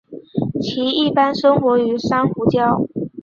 其一般生活于珊瑚礁。